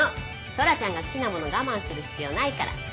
トラちゃんが好きなもの我慢する必要ないから。